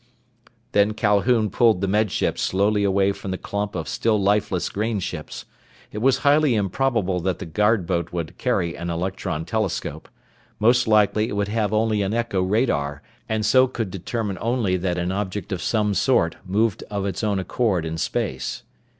_" Then Calhoun pulled the Med Ship slowly away from the clump of still lifeless grain ships. It was highly improbable that the guard boat would carry an electron telescope. Most likely it would have only an echo radar, and so could determine only that an object of some sort moved of its own accord in space.